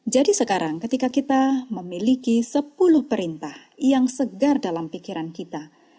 jadi sekarang ketika kita memiliki sepuluh perintah yang segar dalam pikiran kita